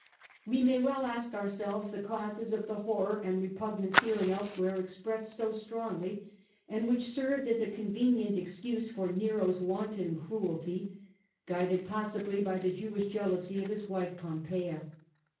* We may well ask ourselves the causes of the horror and repugnance here and elsewhere expressed so strongly, and which served as a convenient excuse for Nero*s wanton cruelty, guided possibly by the Jewish jealousy of his wife Poppaea.